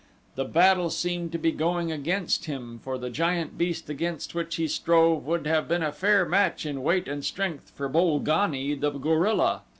The battle seemed to be going against him for the giant beast against which he strove would have been a fair match in weight and strength for Bolgani, the gorilla.